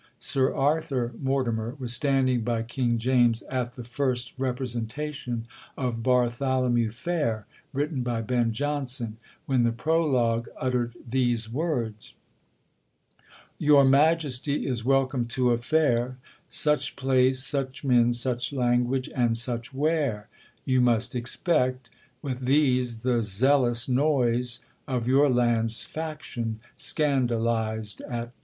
Sir Arthur Mortimer was standing by King James at the first representation of 'Bartholomew Fair,' written by Ben Jonson, when the prologue uttered these words:1 'Your Majesty is welcome to a Fair; Such place, such men, such language, and such ware, You must expect—with these the zealous noise Of your land's faction, scandalized at toys.'